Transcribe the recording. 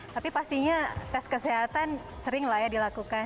tapi pastinya tes kesehatan sering lah ya dilakukan